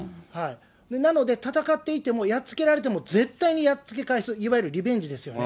なので、戦っていてもやっつけられても、絶対にやっつけ返す、いわゆるリベンジですよね。